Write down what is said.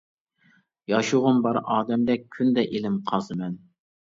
ياشىغۇم بار ئادەمدەك، كۈندە ئىلىم قازىمەن.